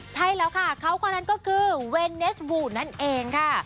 ใช่แล้วค่ะเขาก็คือเวเนสวูนั่นเองค่ะ